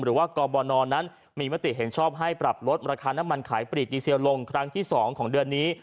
หรือว่ากบนนั้นมีมติเห็นชอบให้ปรับลดราคาน้ำมันขายปลีกดีเซลลงครั้งที่๒ของเดือนนี้